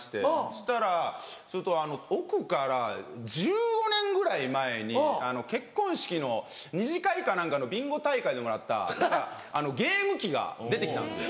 したら奥から１５年ぐらい前に結婚式の２次会か何かのビンゴ大会でもらったゲーム機が出て来たんです。